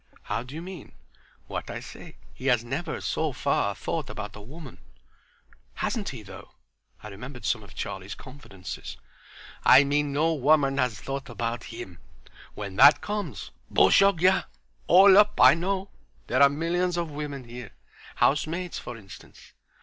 "How do you mean?" "What I say. He has never, so far, thought about a woman." "Hasn't he though!" I remembered some of Charlie's confidences. "I mean no woman has thought about him. When that comes; bushogya—all up' I know. There are millions of women here. Housemaids, for instance."